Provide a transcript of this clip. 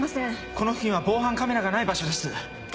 この付近は防犯カメラがない場所です。